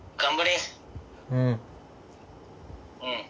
うん。